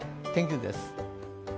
天気図です。